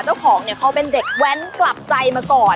เจ้าของเนี่ยเขาเป็นเด็กแว้นกลับใจมาก่อน